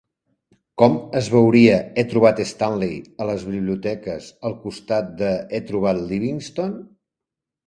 Com es veuria "He trobat Stanley" a les biblioteques al costat de "He trobat Livingstone"?